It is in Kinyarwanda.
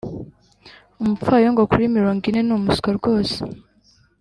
umupfayongo kuri mirongo ine ni umuswa rwose.